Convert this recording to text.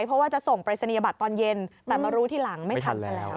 เพราะว่าจะส่งปริศนียบัตรตอนเย็นแต่มารู้ทีหลังไม่ทันซะแล้ว